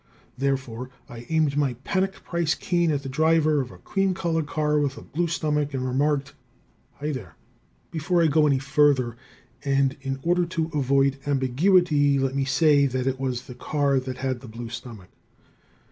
Therefore, I aimed my panic price cane at the driver of a cream colored car with a blue stomach, and remarked, "Hi, there!" Before I go any further, and in order to avoid ambiguity, let me say that it was the car that had the blue stomach.